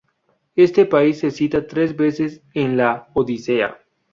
Este país se cita tres veces en La Odisea.